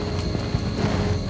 terima kasih pak